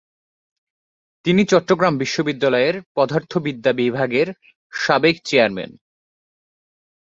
তিনি চট্টগ্রাম বিশ্ববিদ্যালয়ের পদার্থবিদ্যা বিভাগের সাবেক চেয়ারম্যান।